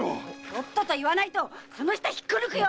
とっとと言わないと舌を引っこ抜くよ！